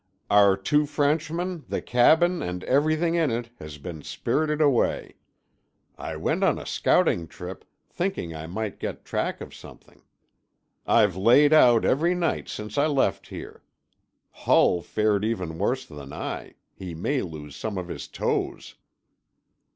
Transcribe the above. "Our two Frenchmen, the cabin and everything in it, has been spirited away. I went on a scouting trip, thinking I might get track of something. I've laid out every night since I left here. Hull fared even worse than I; he may lose some of his toes."